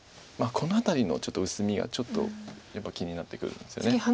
この辺りのちょっと薄みがやっぱり気になってくるんですよね。